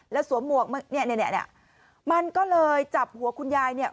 แล้วสวมหมวกเนี่ยมันก็เลยจับหัวคุณยายเนี่ย